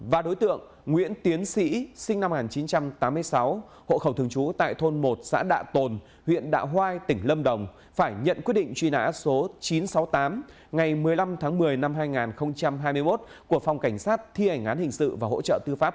và đối tượng nguyễn tiến sĩ sinh năm một nghìn chín trăm tám mươi sáu hộ khẩu thường chú tại thôn một xã đạ tồn huyện đạ hoai tỉnh lâm đồng phải nhận quyết định truy nã số chín trăm sáu mươi tám ngày một mươi năm tháng một mươi năm hai nghìn một mươi năm